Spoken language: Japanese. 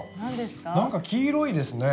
なんか黄色いですね。